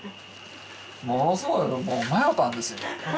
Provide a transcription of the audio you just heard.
ものすごいもう迷たんですよ